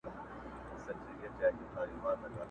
غلیمان به یې تباه او نیمه خوا سي!!